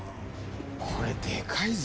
これでかいぞ。